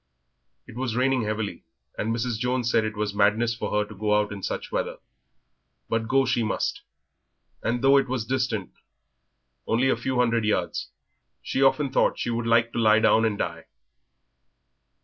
It was raining heavily, and Mrs. Jones said it was madness for her to go out in such weather, but go she must; and though it was distant only a few hundred yards, she often thought she would like to lie down and die.